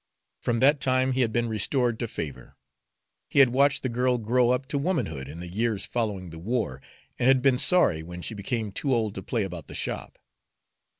From that time he had been restored to favor. He had watched the girl grow up to womanhood in the years following the war, and had been sorry when she became too old to play about the shop.